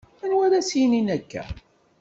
Anwa ara s-yinin akka?